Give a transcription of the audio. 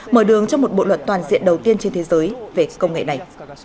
mở đường cho một bộ luật toàn diện đầu tiên trên thế giới về công nghệ này